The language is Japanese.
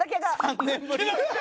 ３年ぶり。